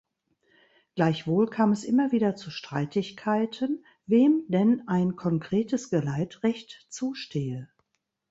Gleichwohl kam es immer wieder zu Streitigkeiten, wem denn ein konkretes Geleitrecht zustehe.